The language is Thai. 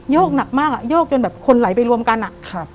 กหนักมากอ่ะโยกจนแบบคนไหลไปรวมกันอ่ะครับ